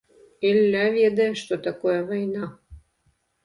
Ілля ведае, што такое вайна.